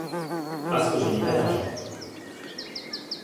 Parce que je n’ai pas d’argent.